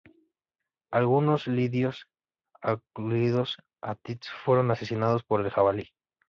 Algunos lidios, incluidos Atis, fueron asesinados por el jabalí.